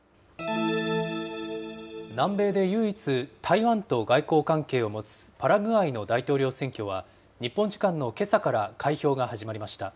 南米で唯一、台湾と外交関係を持つパラグアイの大統領選挙は、日本時間のけさから開票が始まりました。